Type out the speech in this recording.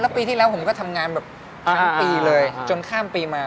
ปีที่แล้วผมก็ทำงานแบบทั้งปีเลยจนข้ามปีมา